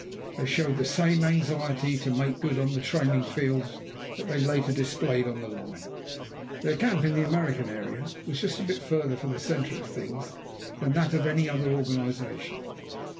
They showed the same anxiety to make good on the training fields that they later displayed on the line. Their camp in the American area was just a bit farther from the centre of things than that of any other organization.